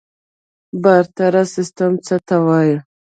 بارتر سیستم څه ته وایي؟